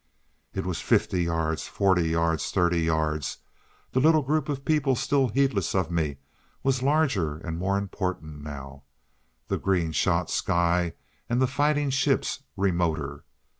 It was fifty yards, forty yards, thirty yards—the little group of people, still heedless of me, was larger and more important now, the green shot sky and the fighting ships remoter.